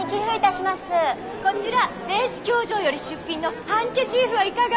こちらレース教場より出品のハンケチーフはいかが？